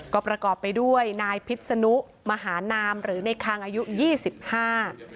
ก็ประกอบไปด้วยนายพิษนุมหานามหรือในคางอายุยี่สิบห้า